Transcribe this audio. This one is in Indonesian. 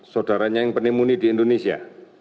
saudaranya yang pneumoni di indonesia